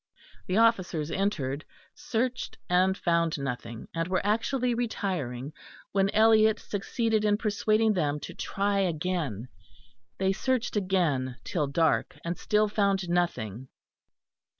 The officers entered, searched, and found nothing; and were actually retiring, when Eliot succeeded in persuading them to try again; they searched again till dark, and still found nothing.